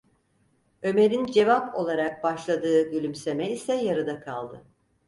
Ömer’in cevap olarak başladığı gülümseme ise yarıda kaldı.